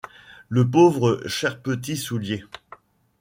Le pauvre cher petit soulier !